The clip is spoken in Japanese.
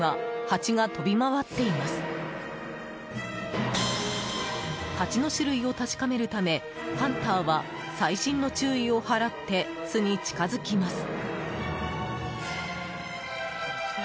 ハチの種類を確かめるためハンターは細心の注意を払って巣に近づきます。